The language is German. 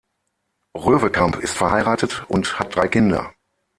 Röwekamp ist verheiratet und hat drei Kinder.